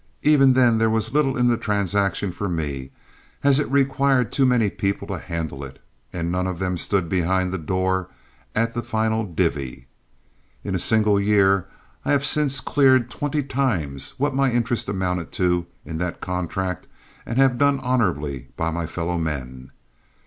Even then there was little in the transaction for me, as it required too many people to handle it, and none of them stood behind the door at the final "divvy." In a single year I have since cleared twenty times what my interest amounted to in that contract and have done honorably by my fellowmen.